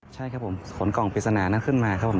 ใช่ครับผมขนกล่องปริศนานั้นขึ้นมาครับผม